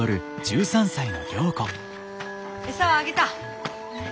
餌はあげた！